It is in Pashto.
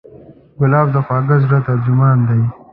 ګلاب د خوږه زړه ترجمان دی.